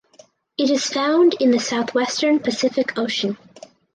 It is found in the southwestern Pacific Ocean.